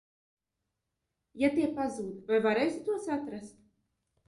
Ja tie pazūd, vai varēsi tos atrast?